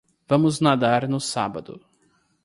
Vamos nadar no sábado.